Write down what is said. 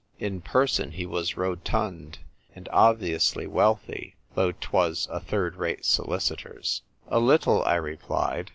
In person he was rotund and obviously wealthy, though 'twas a third rate solicitor's. "A little," I replied.